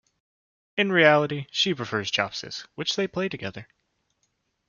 In reality, she prefers Chopsticks, which they play together.